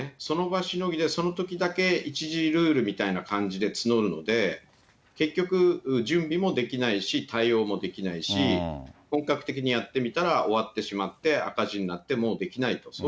その場しのぎでそのときだけ、一時ルールみたいな感じで募るので、結局、準備もできないし、対応もできないし、本格的にやってみたら終わってしまって、赤字になって、もうできないと。